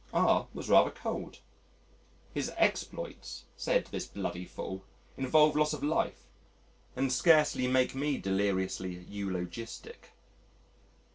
R was rather cold. "His exploits," said this bloody fool, "involve loss of life and scarcely make me deliriously eulogistic."